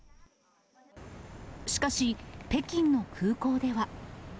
しかし、北京の空港では。